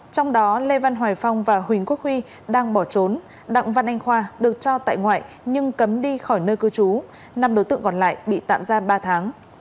trong đó lê văn hoài phong và huỳnh quốc huy đang bỏ trốn đặng văn anh khoa được cho tại ngoại nhưng cấm đi khỏi nơi cư trú năm đối tượng còn lại bị tạm ra ba tháng